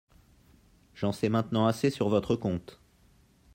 J’en sais maintenant assez sur votre compte…